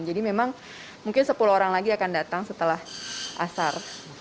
jadi memang mungkin sepuluh orang lagi akan datang setelah asar